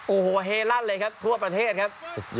โอ้โหเฮล่ันเลยครับ